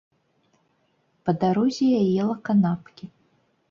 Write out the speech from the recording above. Па дарозе я ела канапкі.